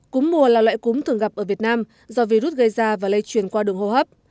cúm mùa là loại cúm thường gặp ở việt nam do virus gây ra và lây truyền qua đường hô hấp